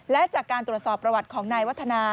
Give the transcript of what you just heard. และจากการตรวจสอบประวัติของนายวัฒนา